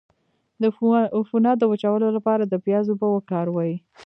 د عفونت د وچولو لپاره د پیاز اوبه وکاروئ